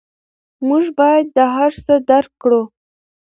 موږ باید دا هر څه درک کړو.